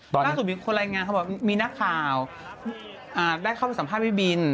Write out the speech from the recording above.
ล่าสุดมีคนรายงานเขาบอกมีนักข่าวได้เข้าไปสัมภาษณ์พี่บิน